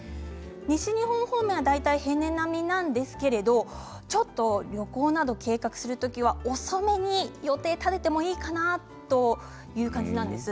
西日本方面は大体平年並みなんですけれどちょっと旅行など計画する時は遅めに予定を立ててもいいかなという感じなんです。